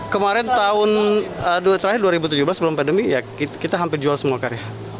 kemarin terakhir dua ribu tujuh belas sebelum pandemi ya kita hampir jual semua karya